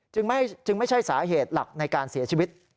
จึงไม่ใช่สาเหตุหลักในการเสียชีวิต